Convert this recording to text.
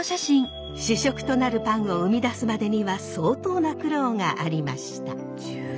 主食となるパンを生み出すまでには相当な苦労がありました。